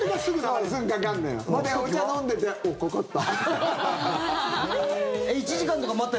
まだお茶飲んでておっ、かかった！